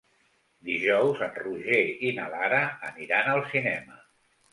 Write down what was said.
Dijous en Roger i na Lara aniran al cinema.